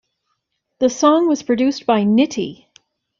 The song was produced by Nitti.